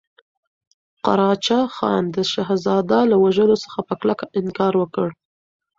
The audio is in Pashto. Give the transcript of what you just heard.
قراچه خان د شهزاده له وژلو څخه په کلکه انکار وکړ.